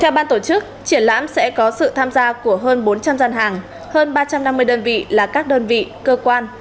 theo ban tổ chức triển lãm sẽ có sự tham gia của hơn bốn trăm linh gian hàng hơn ba trăm năm mươi đơn vị là các đơn vị cơ quan